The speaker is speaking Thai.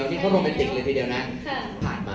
ปกติเขาจะมีแบบ